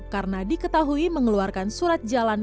karena diketahui mengeluarkan surat jalan